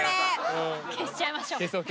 消しちゃいましょう！